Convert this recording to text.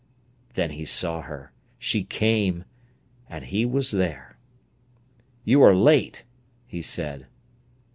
Then he saw her. She came! And he was there. "You are late," he said.